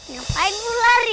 ngapain lu lari